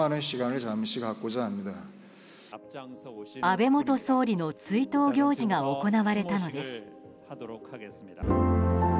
安倍元総理の追悼行事が行われたのです。